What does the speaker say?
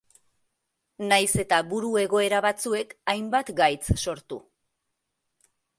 Nahiz eta buru-egoera batzuek hainbat gaitz sortu.